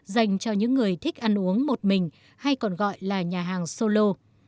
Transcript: dành cho những người thích ăn uống một mình hay còn gọi là nhà hàng solo